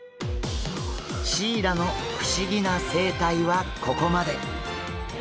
シイラの不思議な生態はここまで。